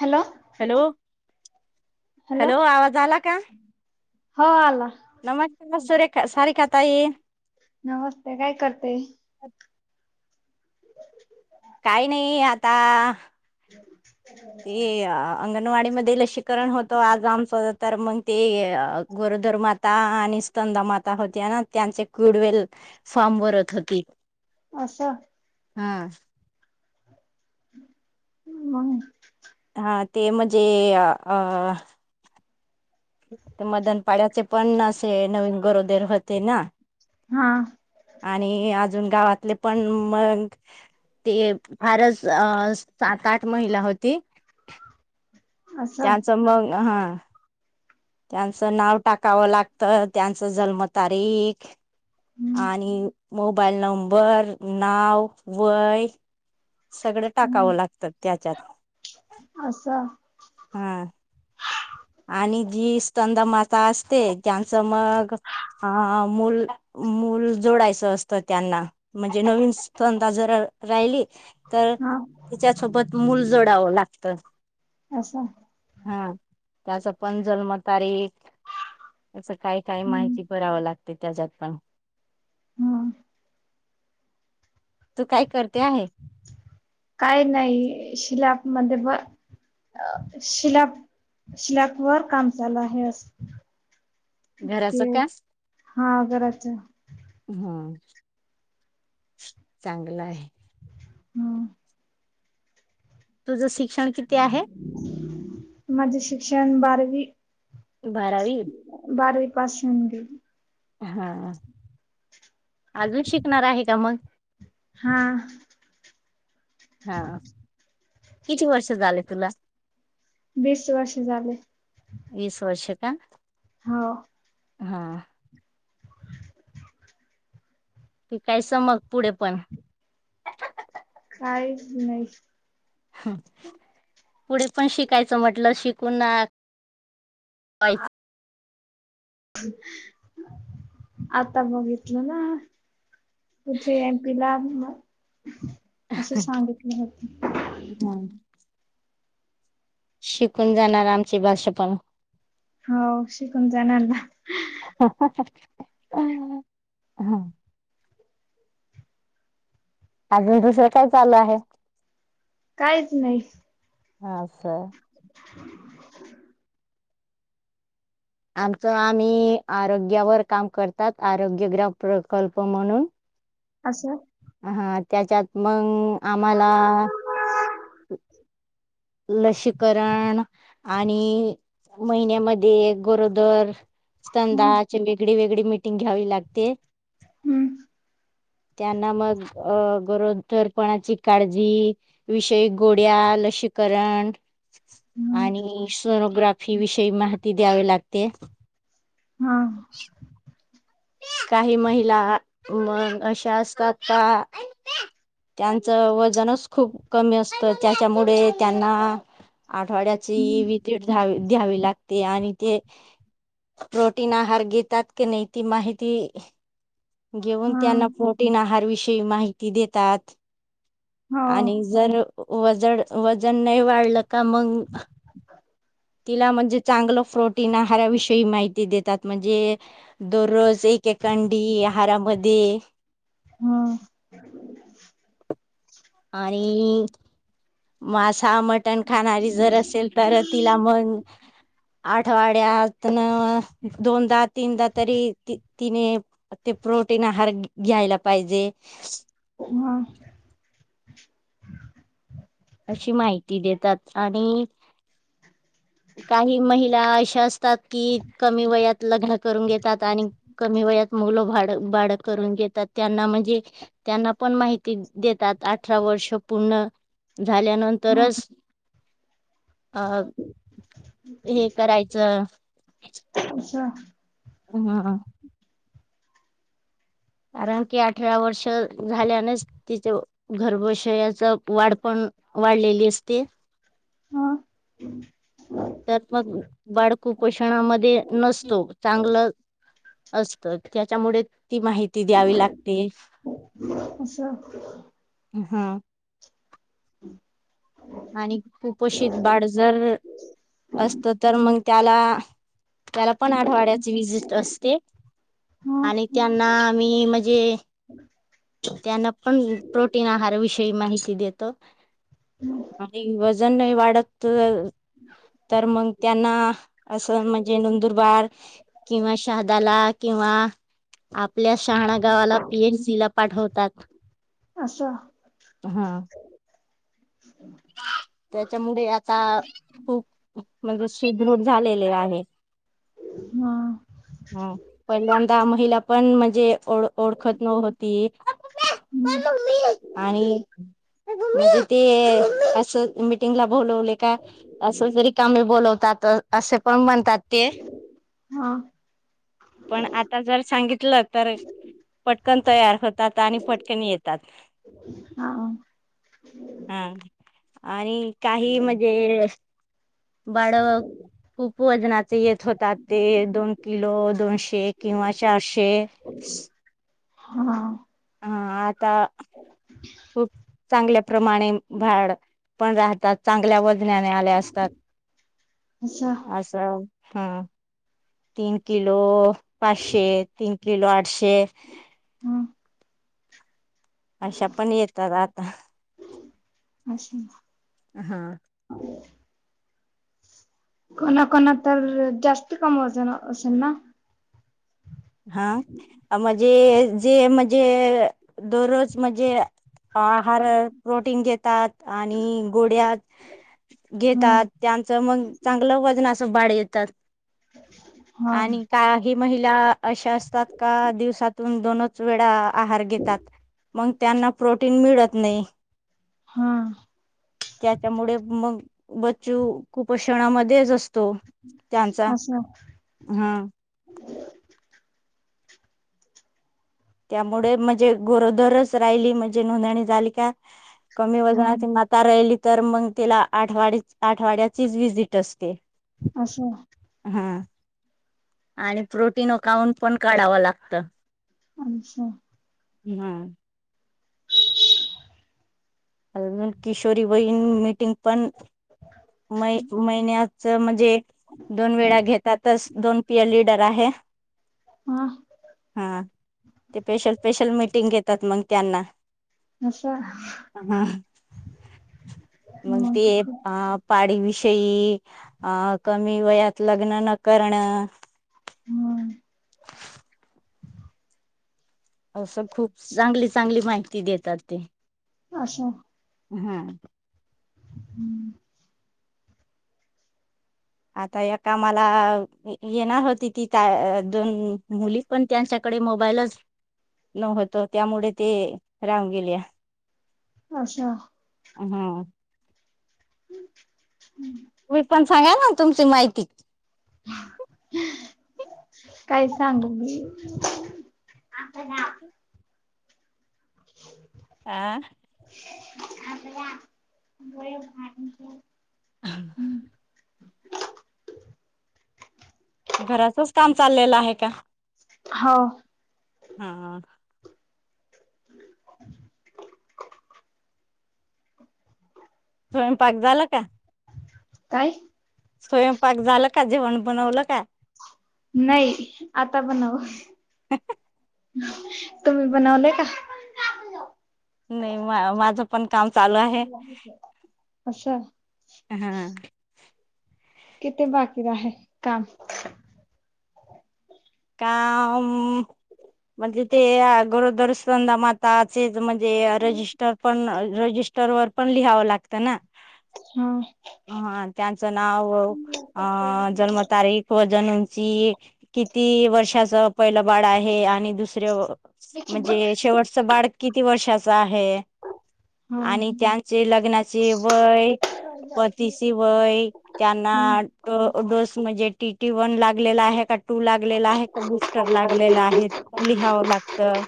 Hello hello hello आवाज आला का हो आला नमस्कार सूरेख सारिका ताई नमस्ते काय करते काही नाही आता [unintelligible] वाडी मध्ये लसीकरण होतं आमच तर मग ते गोरोदर माता आणि स्कंदा माता होती ना. त्यांचे कुडवेल फॉर्म भरत होती. असं हा मग हा ते म्हणजे अ मदनपाड्याचे पण असे नवीन गरोदर होते ना हा आणि अजून गावातले पण मग... ते फारच सात आठ महिला होती. असं त्याच मग हा ह त्यांचं नाव टाकावं लागतं त्यांचं जन्मतारीख हम्म आणि मोबाईल नंबर नाव वय सगळं टाकावं लागतात त्याच्यात असं हम्म आणि जी स्थानदा माता असते त्यांचं मग अं मूल मूल जोडायचं असतं त्यांना म्हणजे नवीन स्पंधा जरा राहिली तर हा तिच्यासोबत मूल जोडावं लागत असं हंम्म त्याचा पण जन्मतारीख असं काय काय हम्म माहिती भरावं लाग ते त्या जात पाहू हम्म तू काय करते आहे काय नाही शिलाप मध्ये भर शिलाप शिलाप वर काम चालू आहे अस घराचं ते का हा घराच हम्म चांगलं आहे हं तुझशी क्षण किती आहे माझे शिक्षण बारवी बारावी पास होऊन दिल हा अजून शिकणार आहे का मग हा हा किती वर्ष झाले तुला बीस वर्ष झाले वीस वर्ष का हो हा कि काही समग पुढे पण काय नाही हम् पुढे पण शिकायचं म्हटलं शिकूना च आता बघितलं ना तुठे येम पिला असं सांगितलं होत हं, शिकून जाणार आमची भाषा पण हो शिकून जाणार ना अं हमम् अजून दुसरं काय चालू आहे काहीच नाही. हा सा, [inaudible] आमचं आम्ही आरोग्यावर काम करतात आरोग्यग्राम प्रकल्प म्हणून- असं. हा त्याच्यात मंग- आम्हाला- लसीकरण- आणि महिन्यामध्ये गरोदर ह स्तंदाचे वेगळी वेगळी- मीटिंग घ्यावी लागते. हम्म. त्यांना मग अ गरोदरपणाची काळजी विषय गोड्या लशी- करण. हम्म आणि स्- ग्राफी विषयी माहिती द्यावी लागते. हा. काही महिला मग अशा असतात का त्यांच वजनच खूप कमी असतं त्याच्यामुळे त्यांना- आठवड्याची हम्म वीजीट धावी- द्यावी लागते आणि ते प्रोटीन आहार घेतात की नाही- ती माहिती- - घेऊन हा त्यांना प्रोटीन आहार विषय- माहिती देतात. हो आणि जर- वजन वजन नाही वाढलं का मग तिला म्हणजे चांगलं प्रोटीन आहाराविषयी माहिती देतात म्हणजे- - दोररोज- [unintelligible] आहारामध्ये हो आणि मास मटण खाणारी जर असेल तर तिला मग- - आठवाड्यात न दोनदा- - तीनदा तरी ती तिने ते प्रोटीन आहार घ्यायला पाहिजे. हा. [inaudible] अशी माहिती देतात आणि- - काही महिला- - [unintelligible] असतात की कमी वयात लग्न करून घेतात आणि कमी वयात मुलंड बाड करून घेतात त्यांना म्हणजे त्यांना पण माहिती देतात अठरा वर्ष पूर्ण ह झाल्यानंतरच अ हे करायचं असं हा कारण की अठरा वर्ष झाल्यानेच तिच गर्भशयाच वाढ पण वाढलेली असते. ह तर मग बाळ कुपोषणामध्ये नसतो चांगलं असत त्याच्यामुळे ती माहिती द्यावी लागते असं ह [inaudible] आणि कुपोषित बाळ जर असत तर मग त्याला त्याला पण आठवाड्याचे विजिट असते ह आणि त्यांना आम्ही म्हणजे त्यांना पण प्रोटीन आहार विष ही माहिती देतो. आणि वजन नाही वाढत तर मग त्यांना असं म्हणजे नंदुरबार किंवा शहादाला किंवा आपल्या शहाणा गावाला पीएनसी ला पाठवतात. असं हा त्याच्यामुळे आता खूप म्हणजे सुधरून झालेले आहे. हा हम्म पहिल्याणदा महिला पण म्हणजे ओ ओळखत नव्हती हम्म आणि [inaudible] असं मिटिंग ला बोलवले का असंच रिकामे बोल तात असे पण म्हण म्हणतात ते हा पण आता जर सांगितलं तर पटकन तयार होतात आणि पटकन येतात हा हा. आणि काही म्हणजे बाळ खूप वजनाचे येत होतात ते दोन किलो दोनशे किंवा चारशे हा. हा आता खूप चांगल्या प्रमाणे भाड पण राहतात चांगल्यावर ज्ञाने आले असतात असं असं हा तीन किलो. पाचशे तीनशे. किलो आठशे ते ह अशा पण येतात आता. अच्छा. हा. कोणाकणा तर जास्त कम वजन असेल ना हा आ मज जे जे म्हणजे दररोज म्हणजे. आहार प्रोटीन घेतात आणि गोड्या ह घेतात त्यांचं मग चांगलं वजन अस बाळ येतात. हा आणि काय ही महिला अशा असतात का दिवसातून दोनच वेळा आहार घेतात मग त्यांना प्रोटीन मिळत नाही. हा त्याच्यामुळे मग. बच्चू कुपोषणामध्येच असत तो त्यांचा असं हं. त्यामुळे म्हणजे गरोदरच राहिली म्हणजे नोंदणी झाली का कमी ह वजनाची माता राहीली तर मग तिला आठवा आठवाड्याचीच व्हिजिट असते. अस. हा आणि प्रोटीन उओकावून पण काढावं लागत. अच्छा. हम्म. अ मन किशोरी वइन मीटिंग पण मै महिन्यात मग [unintelligible] ते दोन वेळा घेतातच दोन पॅलेट आहे हा ते स्पेशल स्पेशल मिटिंग घेत त्यात मग त्यांना. असा मग ते अ पाडीविषयी अ कमी वयात लग्न न करण हम्म. असं खूप चांगली चांगली माहिती देतात ते. आस. हम्म. हम्म. आता या कामाला येणार होती ती काय दोन मुली पण त्यांच्याकडे मोबाईलच न्हतो त्यामुळे ते राहून गेलेया. अच्छा. हम्म. हम् हम् [unintelligible] तुम्ही पण सांगा ना तुमची माहिती? काय सांगु मी आह आला गो भाग [unintelligible] हम्म [unintelligible] घराचच काम चाललेलं आहे का? हवं. हा हा. [unintelligible] स्वयंपाक झाला का? काय? स्वयंपाक झाल का जेवण बनवलं का. नाही आता पण बनव. तुम्ही बनवलंय का? नाही माझं पण काम चालू आहे असं हा. किथ बाकी रा आहे काम? म्हणजे ते गरदर्शन माताचे. म्हणजे रजिस्टर वर पण पण लिहावं लागतं ना. हा ह त्यांचं नाव अ जन्मतारीख वजन उंच उंची किती? ती वर्षाच पहिलं बाळ आहे आणि दुसरे म्हणजे शेवटच बाळक किती वर्षाच आहे हा आणि त्यांचे लग्नाचे वय पतीची वय त्यांना हम्म डोस म्हणजे टी टी वन लागलेला आहे का? ला बुस्टर लागेलेला आहे लिहाव लागत.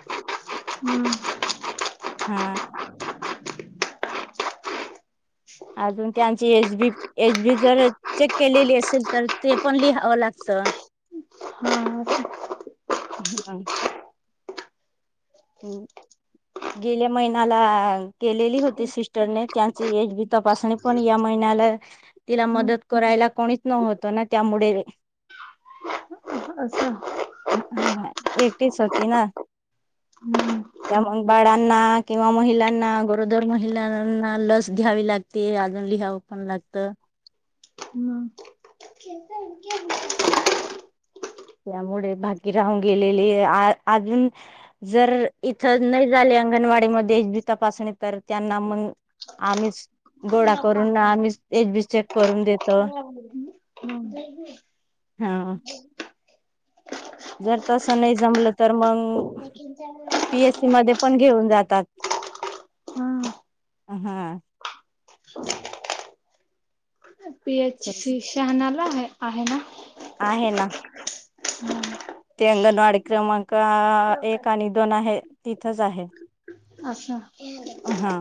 अजून त्यां एच बी एचबी जर चेक केलेली असेल तर ते पण लिहावं लागत. हम् ह आ. गेल्या महिन्याला केलेली होती सिस्टरने त्यांची एज बी तपासणी पण या महिन्याला तिला हा मदत करायला कोणीच न होतो ना त्यामुळे असं एकटीच होती ना. हम्म त्या मग बाळांना किंवा महिलांना गरोदर महिलांना लस घ्यावी लागते अजून लिहावं पण लागत. त्यामुळे बाकी राहून गेलेली अजून जर इथ नाही झाले अंगणवाडी मध्ये एचबी तपासणी तर त्यांना मग आम्हीच गोळा करून आम्हीच एचबी चेक करून देतो. हम्म हा जर तस नाही जमलं तर मग पीएससी मध्ये पण घेऊन जातात. हा पी एच सी शहानाला आहे आहे ना. आहे ना. ते अंगणवाडी क्रमांक एक आणि दोन आहे तिथंच आहे. अच्छा! हा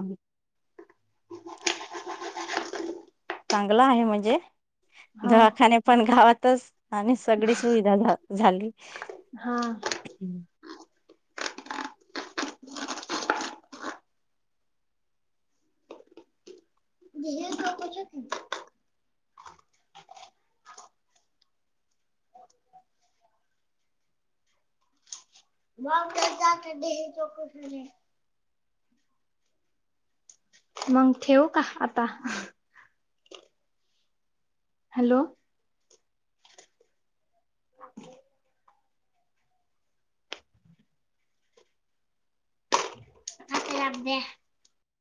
चांगलं आहे म्हणजे हा दवाखाने पण गावातच आणि सगळी सुविधा झा झाली. हा [unintelligible] मंग ठेवू का आता हॅलो हा त्याला द्या.